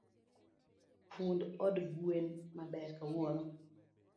Fund od gwen maber kawuono.